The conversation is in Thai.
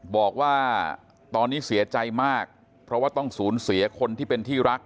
บอกว่าตอนนี้เสียใจมากเพราะว่าต้องสูญเสียคนที่เป็นที่รัก